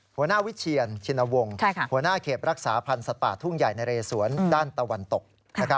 หัวหน้าวิเชียนชินวงศ์หัวหน้าเขตรักษาพันธ์สัตว์ป่าทุ่งใหญ่นะเรสวนด้านตะวันตก